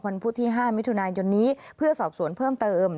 วัน๕มิถุนายนพยนนเพื่อสอบสวนเพิ่มเติม